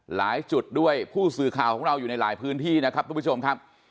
หลายจุดด้วยผู้สื่อข่าวของเราอยู่ในหลายพื้นที่นะครับทุกผู้ชมครับ